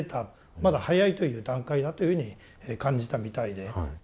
まだ早いという段階だというふうに感じたみたいで。